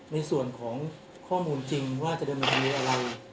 ในส่วนของข้อมูลจริงว่าจะเดินมาทำให้อะไร